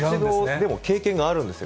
でも経験があるんですよ。